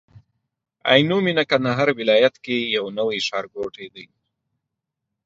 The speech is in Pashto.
عينو مينه کندهار ولايت کي يو نوي ښارګوټي دي